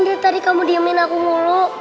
dia tadi kamu diamin aku mulu